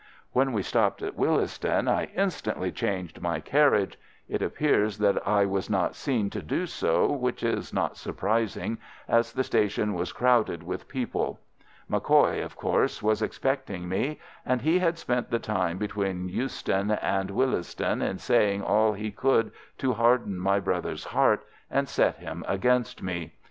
"When we stopped at Willesden, I instantly changed my carriage. It appears that I was not seen to do so, which is not surprising, as the station was crowded with people. MacCoy, of course, was expecting me, and he had spent the time between Euston and Willesden in saying all he could to harden my brother's heart and set him against me.